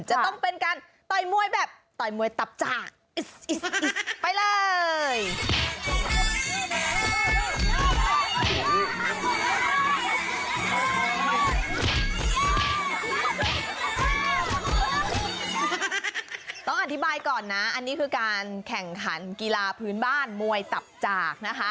จะต้องเป็นการต่อยมวยแบบต่อยมวยตับจากไปเลย